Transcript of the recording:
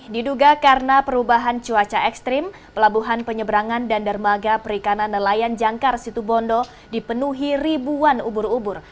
diduga karena perubahan cuaca ekstrim pelabuhan penyeberangan dan dermaga perikanan nelayan jangkar situbondo dipenuhi ribuan ubur ubur